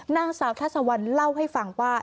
นางสาวทัศวรรณเล่าให้ฟังว่า